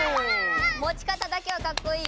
もちかただけはカッコいいよ。